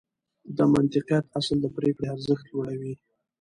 د منطقيت اصل د پرېکړې ارزښت لوړوي.